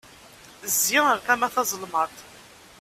Zzi ar tama tazelmaḍt!